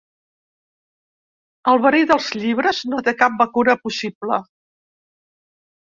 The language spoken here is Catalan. El verí dels llibres no té cap vacuna possible.